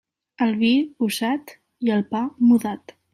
El vi, usat; i el pa, mudat.